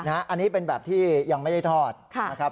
อันนี้เป็นแบบที่ยังไม่ได้ทอดนะครับ